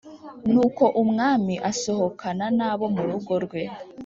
Nuko umwami asohokana n’abo mu rugo rwe